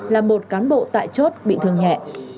là một cán bộ tại chốt bị thương nhẹ